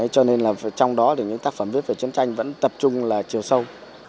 cho nên là trong đó thì những tác phẩm viết về chiến tranh vẫn tập trung là chiều sâu